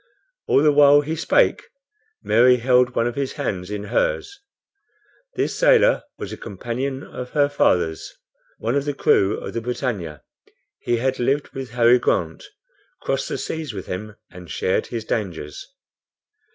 All the while he spake, Mary held one of his hands in hers. This sailor was a companion of her father's, one of the crew of the BRITANNIA. He had lived with Harry Grant, crossed the seas with him and shared his dangers.